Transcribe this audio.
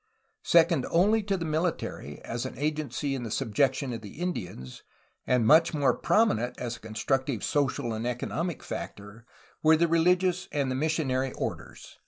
Second only to the military as an agency in the subjection of the Indians, and much more prominent as a constructive social and economic factor, were the religious of the mis sionary orders.